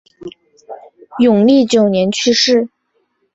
永历九年去世。